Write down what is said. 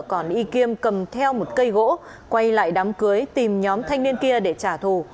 còn y kiêm cầm theo một cây gỗ quay lại đám cưới tìm nhóm thanh niên kia để trả thù